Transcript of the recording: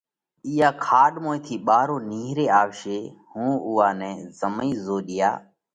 اِيئا کاڏ موئين ٿِي ٻارو نيهري آوشي هُون اُوئا نئہ زمي زوڏيا